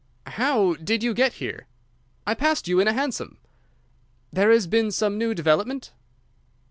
"How did you get here?" "I passed you in a hansom." "There has been some new development?"